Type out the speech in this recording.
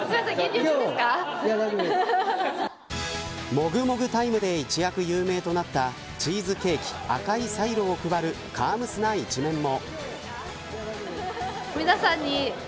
もぐもぐタイムで一躍有名となったチーズケーキ、赤いサイロを配るカー娘な一面も。